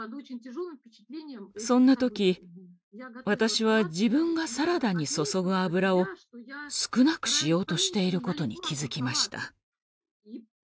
そんな時私は自分がサラダに注ぐ油を少なくしようとしていることに気付きました。